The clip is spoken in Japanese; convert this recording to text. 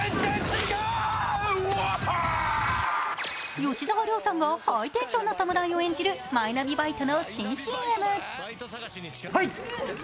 吉沢亮さんがハイテンションなサムライを演じるマイナビバイトの新ＣＭ。